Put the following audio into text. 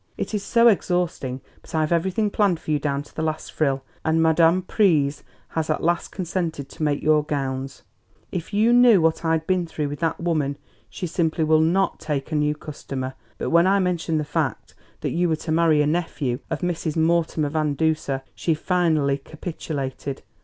It is so exhausting; but I've everything planned for you down to the last frill, and Madame Pryse has at last consented to make your gowns! If you knew what I've been through with that woman! She simply will not take a new customer; but when I mentioned the fact that you were to marry a nephew of Mrs. Mortimer Van Duser she finally capitulated.